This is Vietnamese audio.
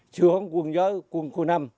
sướng quân giới quân khu năm